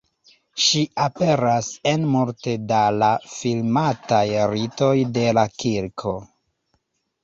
Ŝi aperas en multe da la filmitaj ritoj de la Kirko.